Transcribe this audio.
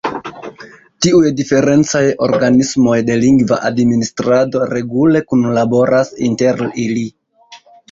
Tiuj diferencaj organismoj de lingva administrado regule kunlaboras inter ili.